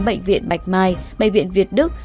bệnh viện bạch mai bệnh viện việt đức